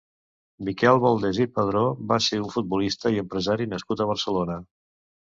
Miquel Valdés i Padró va ser un futbolista i empresari nascut a Barcelona.